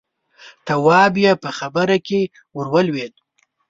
تواب يې په خبره کې ور ولوېد: